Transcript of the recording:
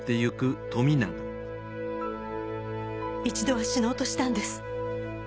一度は死のうとしたんです。